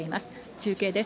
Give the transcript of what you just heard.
中継です。